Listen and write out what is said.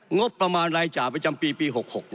งบประมาณรายจ่ายประจำปีปี๖๖